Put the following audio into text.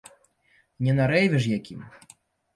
Не на рэйве ж якім.